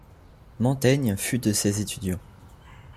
Montaigne fut de ses étudiants.